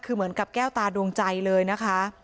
คือเหมือนกับแก้วตาดวงใจเลยนะคะ